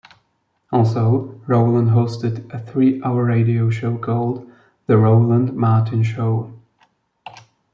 Also, Roland hosted a three-hour radio show called "The Roland Martin Show".